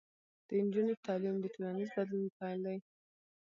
د نجونو تعلیم د ټولنیز بدلون پیل دی.